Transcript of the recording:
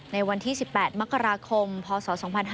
ในวันที่๑๘มกราคมพศ๒๕๕๙